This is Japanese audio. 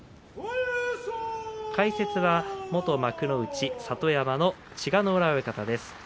解説は元幕内里山の千賀ノ浦親方です。